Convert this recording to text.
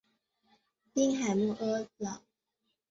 滨海莫厄朗。